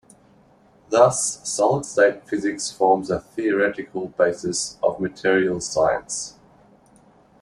Thus, solid-state physics forms a theoretical basis of materials science.